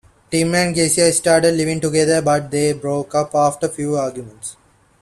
Tim and Geisa started living together but they broke up after a few arguments.